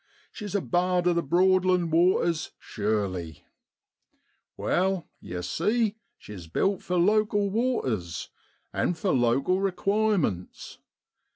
She's a bard of the broadland waters, sure ly ! Wall, yer see, she's built for lokel waters, and for lokel requirements.